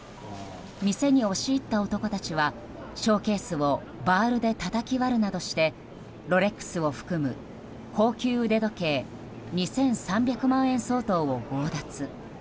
店に押し入った男たちはショーケースをバールでたたき割るなどしてロレックスを含む高級腕時計２３００万円相当を強奪。